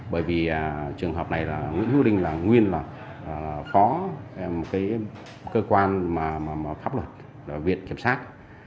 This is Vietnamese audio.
bởi vì trường hợp này là nguyễn hữu linh là nguyên là phó một cái cơ quan pháp luật viện kiểm sát